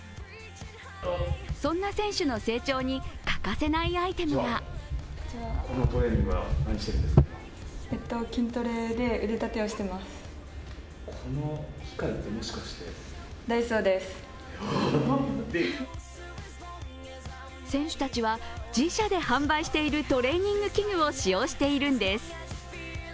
そんな選手の成長に欠かせないアイテムが選手たちは自社で販売しているトレーニング器具を使用しているんです。